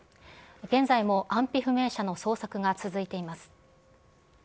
現在も安否不明者の捜索が続いています。